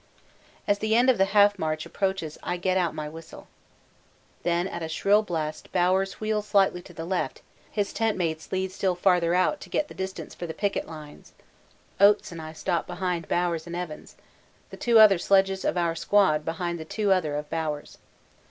As the end of the half march approaches I get out my whistle. Then at a shrill blast Bowers wheels slightly to the left, his tent mates lead still farther out to get the distance for the picket lines; Oates and I stop behind Bowers and Evans, the two other sledges of our squad behind the two other of Bowers'.